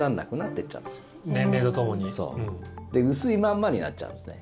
で、薄いまんまになっちゃうんですね。